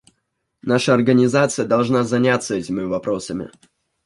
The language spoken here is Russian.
Наша Организация должна заняться этими вопросами.